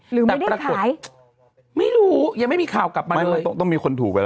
หรือไม่ได้ขายไม่รู้ยังไม่มีข่าวกลับมาเลยต้องมีคนถูกไปแล้วนะ